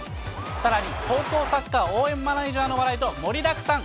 さらに、高校サッカー応援マネージャーの話題と盛りだくさん。